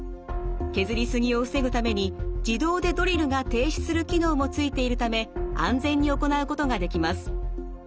削り過ぎを防ぐために自動でドリルが停止する機能もついているため安全に行うことができます。